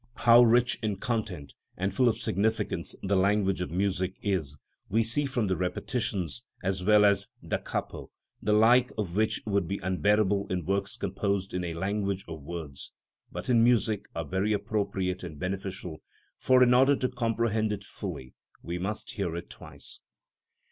How rich in content and full of significance the language of music is, we see from the repetitions, as well as the Da capo, the like of which would be unbearable in works composed in a language of words, but in music are very appropriate and beneficial, for, in order to comprehend it fully, we must hear it twice.